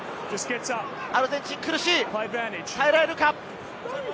アルゼンチン苦しい、耐えられるか？